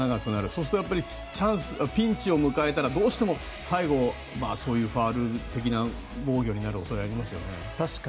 そうするとピンチを迎えたらどうしても最後、そういうファウル的な防御になることがありますよね。